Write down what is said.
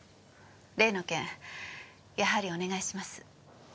例の件やはりお願いします。